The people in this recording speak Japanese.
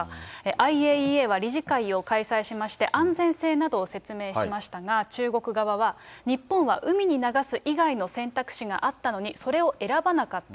ＩＡＥＡは理事会を開催しまして、安全性などを説明しましたが、中国側は、日本は海に流す以外の選択肢があったのにそれを選ばなかった。